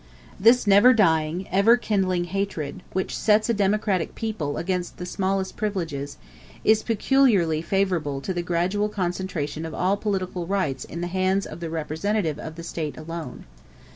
This never dying, ever kindling hatred, which sets a democratic people against the smallest privileges, is peculiarly favorable to the gradual concentration of all political rights in the hands of the representative of the State alone.